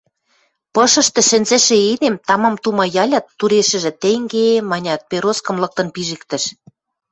Пышышты шӹнзӹшӹ эдем тамам тумаялят, турешӹжӹ «тенге-е» манят, пероскым лыктын пижӹктӹш.